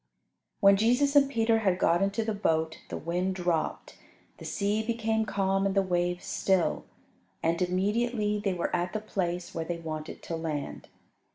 When Jesus and Peter had got into the boat, the wind dropped, the sea became calm and the waves still, and immediately they were at the place where they wanted to land.